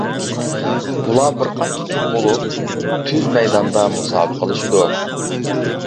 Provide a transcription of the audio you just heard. بۇلار بىر قانچە جۈپ بولۇپ تۈز مەيداندا مۇسابىقىلىشىدۇ.